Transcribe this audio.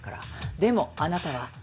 でもあなたは。